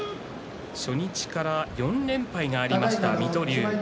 初日から４連敗がありました水戸龍です。